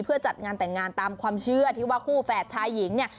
เพื่อจัดงานแต่งงานตามความเชื่อที่ว่าคู่แฝดชายหญิงเนี่ย